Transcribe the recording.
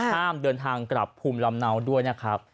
ห้ามเดินทางกลับภูมิลำเนาด้วยนะครับ